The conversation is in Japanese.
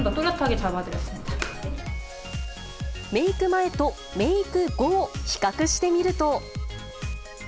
メーク前とメーク後を比較してみると。